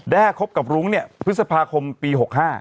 ด้าจะเคลาสภาคมปี๖๕